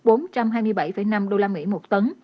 bốn trăm hai mươi bảy năm usd một tấn